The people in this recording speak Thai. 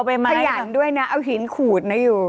พยายามด้วยนะเอาหินขูดไว้อยู่